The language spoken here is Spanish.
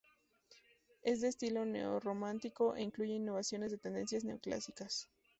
Es de estilo neorrománico, e incluye innovaciones de tendencias neoclásicas.